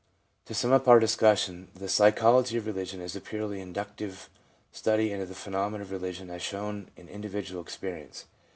To sum up our discussion : The psychology of religion is a purely inductive study into the phenomena of religion as shown in individual experience.